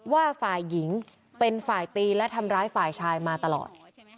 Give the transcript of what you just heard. ว่าฝ่ายหญิงเป็นฝ่ายตีและทำร้ายฝ่ายชายมาตลอด